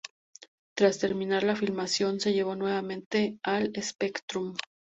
Tras terminar la filmación, se llevó nuevamente al Spectrum.